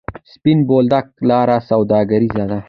سپین بولدک لاره سوداګریزه ده؟